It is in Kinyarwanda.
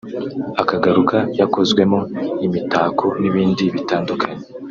akagaruka yakozwemo imitako n’ibindi bitandukanye